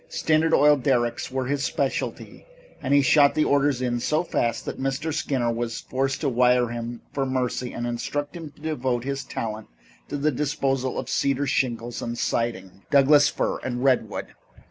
Standard oil derricks were his specialty and he shot the orders in so fast that Mr. Skinner was forced to wire him for mercy and instruct him to devote his talent to the disposal of cedar shingles and siding, Douglas fir and redwood.